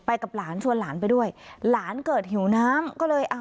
กับหลานชวนหลานไปด้วยหลานเกิดหิวน้ำก็เลยอ่ะ